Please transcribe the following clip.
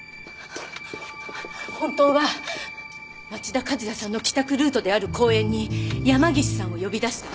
本当は町田和也さんの帰宅ルートである公園に山岸さんを呼び出した。